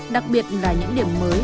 đặc biệt là những điểm mới